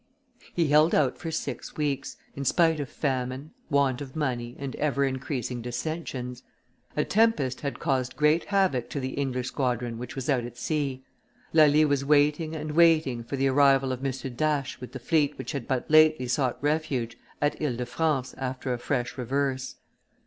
He held out for six weeks, in spite of famine, want of money, and ever increasing dissensions. A tempest had caused great havoc to the English squadron which was out at sea; Lally was waiting and waiting for the arrival of M. d'Ache with the fleet which had but lately sought refuge at Ile de France after a fresh reverse.